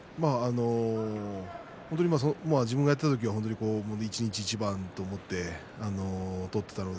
自分がやっていた時は一日一番と思って取っていたので